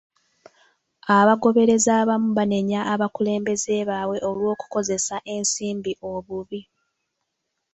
Abagoberezi abamu banenya abakulembeze baabwe olw'okukozesa ensimbi obubi.